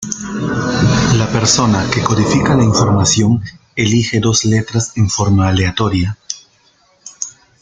La persona que codifica la información elige dos letras en forma aleatoria.